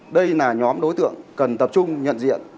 đây là nhóm đối tượng cần tập trung nhận diện